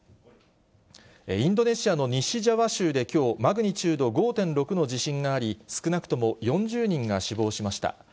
インドネシアの西ジャワ州できょう、マグニチュード５．６の地震があり、少なくとも４０人が死亡しました。